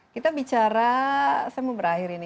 kita bicara saya mau berakhir ini